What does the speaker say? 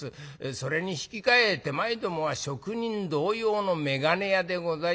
それに引き換え手前どもは職人同様の眼鏡屋でございます。